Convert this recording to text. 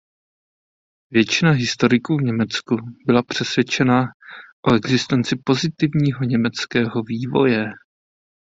Většina historiků v Německu byla přesvědčena o existenci pozitivního německého vývoje.